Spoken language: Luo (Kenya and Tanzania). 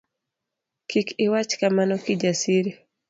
kik iwach kamano Kijasiri.